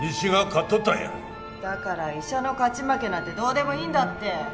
だから医者の勝ち負けなんてどうでもいいんだって。